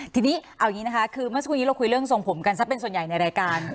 ทีนี้เอาอย่างนี้นะคะคือเมื่อสักครู่นี้เราคุยเรื่องทรงผมกันซะเป็นส่วนใหญ่ในรายการ